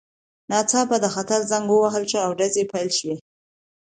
ناڅاپه د خطر زنګ ووهل شو او ډزې پیل شوې